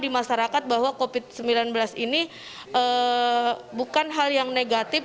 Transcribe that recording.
di masyarakat bahwa covid sembilan belas ini bukan hal yang negatif